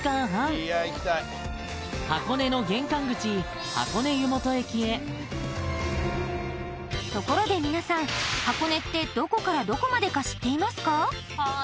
箱根の玄関口箱根湯本駅へところで皆さん箱根ってどこからどこまでか知っていますか？